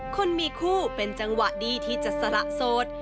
คนมีคู่เป็นจังหวะดีที่จะสละโสด